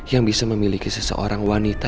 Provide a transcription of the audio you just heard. yang bisa memiliki seseorang wanita